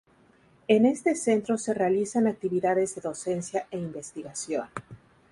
En este centro se realizan actividades de docencia e investigación.